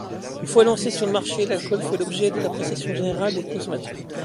Une fois lancé sur le marché, l’alcool fait l’objet de l’appréciation générale des consommateurs.